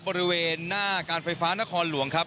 บริเวณหน้าการไฟฟ้านครหลวงครับ